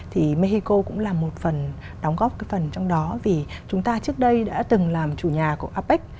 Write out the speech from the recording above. thì mexico cũng là một phần đóng góp cái phần trong đó vì chúng ta trước đây đã từng làm chủ nhà của apec